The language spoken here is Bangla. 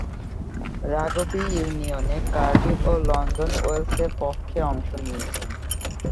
রাগবি ইউনিয়নে কার্ডিফ ও লন্ডন ওয়েলসে পক্ষে অংশ নিয়েছেন।